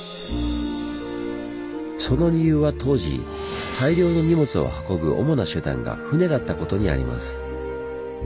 その理由は当時大量の荷物を運ぶ主な手段が舟だったことにあります。